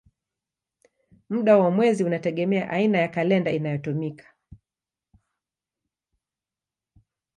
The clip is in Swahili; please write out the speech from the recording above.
Muda wa mwezi unategemea aina ya kalenda inayotumika.